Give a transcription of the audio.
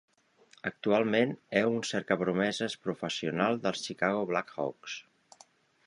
Actualment é un cercapromeses professional dels Chicago Blackhawks.